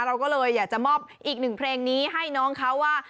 เราก็เลยอยากจะมอบอีกหนึ่งเพลงนี้ให้น้องเขาว่า